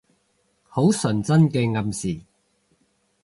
好純真嘅暗示